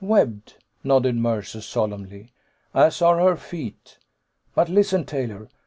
"Webbed," nodded Mercer solemnly. "As are her feet. But listen, Taylor.